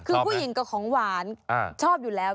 คือผู้หญิงกับของหวานชอบอยู่แล้ว